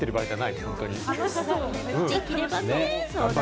できればね。